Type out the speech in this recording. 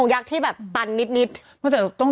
อันคารที่ผ่านมานี่เองไม่กี่วันนี่เอง